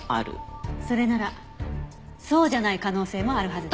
それならそうじゃない可能性もあるはずです。